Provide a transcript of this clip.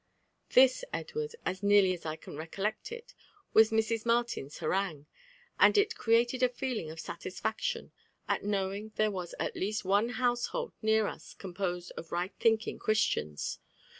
— ^This, £dwaf d, as nearly aa I can ree<rileet it, was Mrs. Martin's harangue ; and it created a feeling of satirfactioD at knowing that there waa at least one household near na composed of right thinking Ghnstiana.